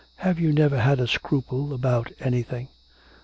Have you never had a scruple about anything?'